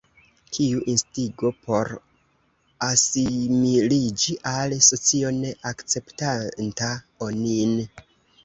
Kiu instigo por asimiliĝi al socio ne akceptanta onin?